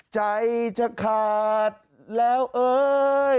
ใจจะขาดแล้วเอ้ย